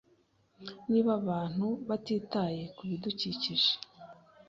Niba abantu batitaye kubidukikije,